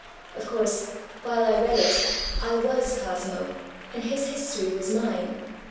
Of course, while I read it, I was Cosmo, and his history was mine.